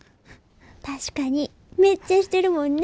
確かにめっちゃしてるもんね！